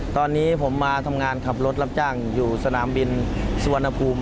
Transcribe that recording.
ตอนนี้ผมมาทำงานขับรถรับจ้างอยู่สนามบินสุวรรณภูมิ